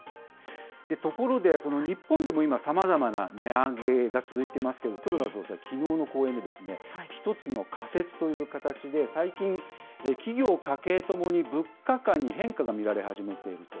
ところで、日本でもさまざまな値上げが続いてますけれども、黒田総裁、きのうの講演で、一つの仮説という形で、最近、企業、家計ともに、物価観に変化が見られ始めていると。